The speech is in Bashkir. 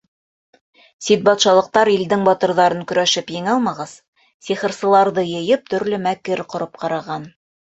Сит батшалыҡтар, илдең батырҙарын көрәшеп еңә алмағас, сихырсыларҙы йыйып, төрлө мәкер ҡороп ҡараған.